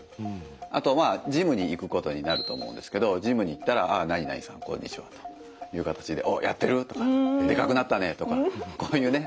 あとまあジムに行くことになると思うんですけどジムに行ったらああ何々さんこんにちはという形で「おっやってる？」とか「でかくなったね」とかこういうね